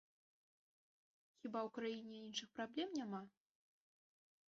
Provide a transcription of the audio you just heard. Хіба ў краіне іншых праблем няма?